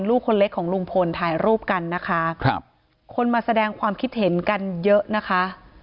ลูกคนเล็กของลุงพลถ่ายรูปกันนะคะครับคนมาแสดงความคิดเห็นกันเยอะนะคะ